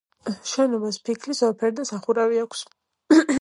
შენობას ფიქლის ორფერდა სახურავი აქვს.